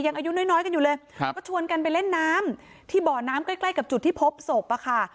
ยังอายุน้อยกันอยู่เลยก็ชวนกันไปเล่นน้ำที่บ่อน้ำใกล้กับจุดที่พบศพอ่ะค่ะ